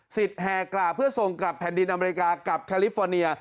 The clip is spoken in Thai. แห่กราบเพื่อส่งกลับแผ่นดินอเมริกากับแคลิฟอร์เนีย